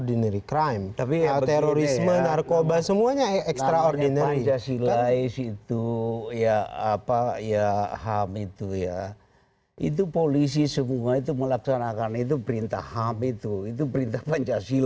ini mati ini masalah mati